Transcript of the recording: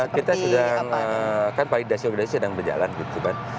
kita sedang kan pak iddasyo bedasyo sedang berjalan gitu kan